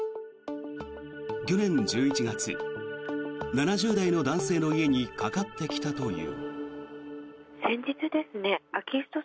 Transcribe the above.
去年１１月、７０代の男性の家にかかってきたという。